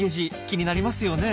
気になりますよね。